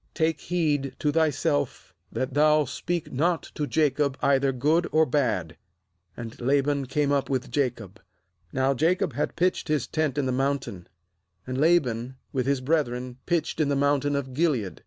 'Take heed to thyself that thou speak not to Jacob either good or bad.' ^And Laban came up with Jacob. Now Jacob had pitched his tent in the mountain; and Laban with his brethren pitched in the mountain of Gilead.